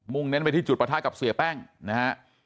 เน้นไปที่จุดประทะกับเสียแป้งนะฮะ